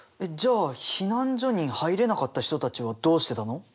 じゃあ避難所に入れなかった人たちはどうしてたの？